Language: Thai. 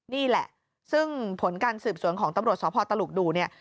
นี่แหละซึ่งผลการสืบสวนของตำรวจสพตลุกดูเนี่ย